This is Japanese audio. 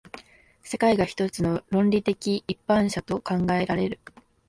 世界が一つの論理的一般者と考えられる。